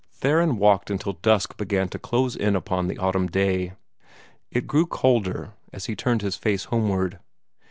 Theron walked until dusk began to close in upon the autumn day. It grew colder, as he turned his face homeward.